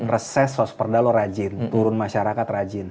reses hosperda lo rajin turun masyarakat rajin